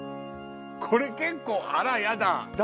これ結構あらヤダ！